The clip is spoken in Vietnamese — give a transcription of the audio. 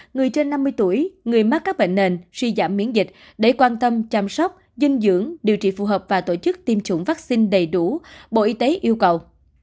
người trên năm mươi tuổi người mắc các bệnh nền suy giảm miễn dịch để quan tâm chăm sóc dinh dưỡng điều trị phù hợp và tổ chức tiêm chủng vaccine đầy đủ bộ y tế yêu cầu